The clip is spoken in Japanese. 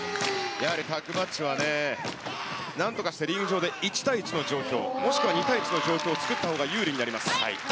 やはりタッグマッチはね、なんとかしてリング上で１対１の状況、もしくは２対１の状況を作ったほうが有利になります。